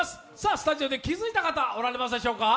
スタジオで気づいた方、おられますでしょうか。